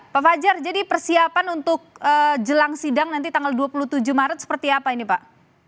pak fajar jadi persiapan untuk jelang sidang nanti tanggal dua puluh tujuh maret seperti apa ini pak